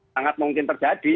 sangat mungkin terjadi